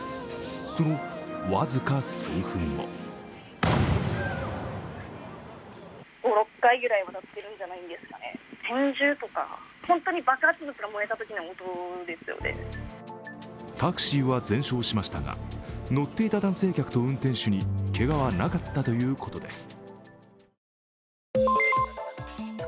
その僅か数分後タクシーは全焼しましたが乗っていた男性客と運転手にけがはなかったということです。